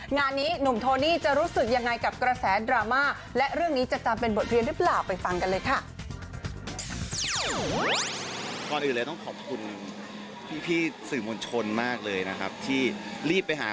งานนี้หนุ่มโทนี่จะรู้สึกยังไงกับกระแสดราม่า